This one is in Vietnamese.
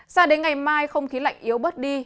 sao đến ngày mai không khí lạnh yếu bớt đi